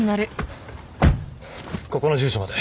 ここの住所まで。